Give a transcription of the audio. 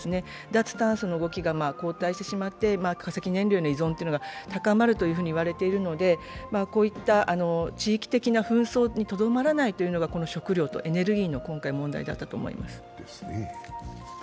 脱炭素の動きが後退してしまって化石燃料への依存が高まるといわれているので、こういった地域的な紛争にとどまらないというのがこの食糧とエネルギーの問題だったと思います。